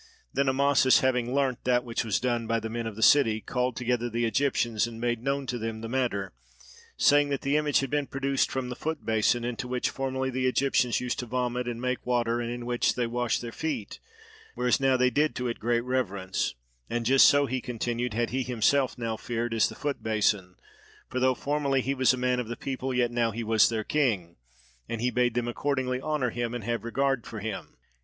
Then Amasis, having learnt that which was done by the men of the city, called together the Egyptians and made known to them the matter, saying that the image had been produced from the foot basin, into which formerly the Egyptians used to vomit and make water, and in which they washed their feet, whereas now they did to it great reverence; and just so, he continued, had he himself now fared, as the foot basin; for though formerly he was a man of the people, yet now he was their king, and he bade them accordingly honour him and have regard for him.